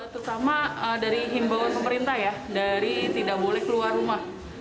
terutama dari himbauan pemerintah ya dari tidak boleh keluar rumah